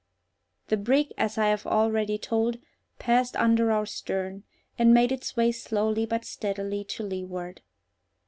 The brig, as I have already told, passed under our stern, and made its way slowly but steadily to leeward.